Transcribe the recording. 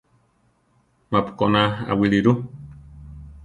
Ma-pu koná aʼwíli ru.